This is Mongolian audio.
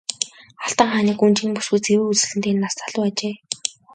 Алтан хааны гүнж энэ бүсгүй цэвэр үзэсгэлэнтэй нас залуу ажээ.